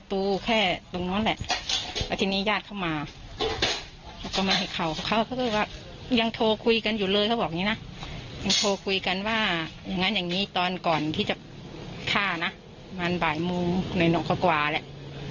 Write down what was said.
โทรคุยกันว่าอย่างงั้นอย่างงี้ตอนก่อนที่จะผ้านะประมาณบ่ายมุมในโรงคกวาแล้ว